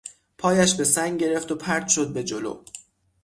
پایش به سنگ گرفت و پرت شد به جلو.